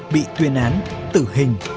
bị tuyên án tử hình